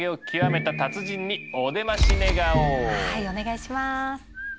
はいお願いします。